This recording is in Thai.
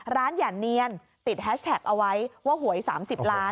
อย่าเนียนติดแฮชแท็กเอาไว้ว่าหวย๓๐ล้าน